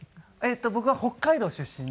僕は北海道出身なんで。